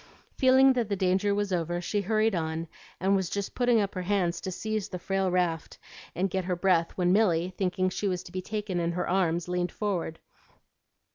Feeling that the danger was over, she hurried on and was just putting up her hands to seize the frail raft and get her breath when Milly, thinking she was to be taken in her arms, leaned forward.